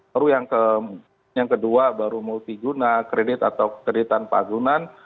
baru yang kedua baru multiguna kredit atau kredit tanpa agunan